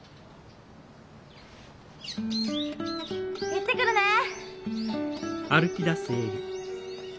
行ってくるねえ。